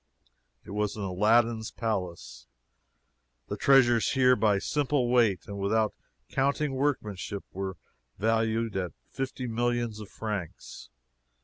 It was an Aladdin's palace. The treasures here, by simple weight, without counting workmanship, were valued at fifty millions of francs!